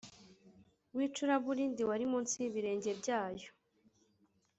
w icuraburindi wari munsi y ibirenge byayo